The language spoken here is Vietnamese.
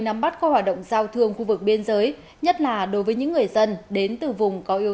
nắm bắt các hoạt động giao thương khu vực biên giới nhất là đối với những người dân đến từ vùng có yếu